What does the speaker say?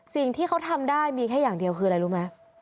สิ่งที่เขาทำได้มีแค่อย่างเดียวคืออะไรรู้ไหม